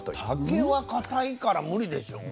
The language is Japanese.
竹はかたいから無理でしょう。